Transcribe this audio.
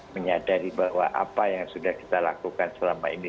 menyadari bahwa apa yang sudah kita lakukan selama ini